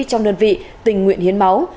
trong đơn vị tình nguyện hiến máu